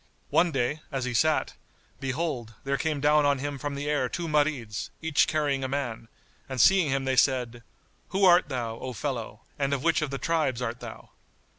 One day, as he sat, behold, there came down on him from the air two Marids, each carrying a man; and seeing him they said, "Who art thou, O fellow, and of which of the tribes art thou?"